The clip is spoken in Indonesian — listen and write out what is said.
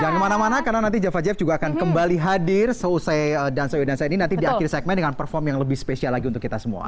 jangan kemana mana karena nanti java jave juga akan kembali hadir seusai dansa yodansa ini nanti di akhir segmen dengan perform yang lebih spesial lagi untuk kita semua